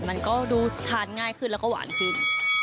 มันก็ดูทานง่ายขึ้นแล้วก็หวานขึ้น